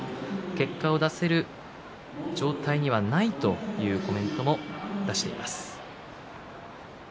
結果を出せる状態にはないというコメントを出しています。